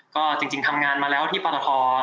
ก็จริงทำงานมาแล้วที่ปรท